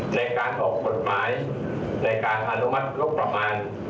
ในการออกกฎหมายในการอนุมัติงบประมาณ